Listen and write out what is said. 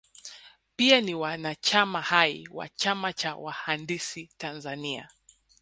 Pia ni mwanachama hai wa chama cha wahandisi Tanzania